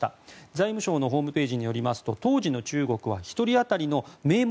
財務省のホームページによりますと、当時の中国は１人当たりの名目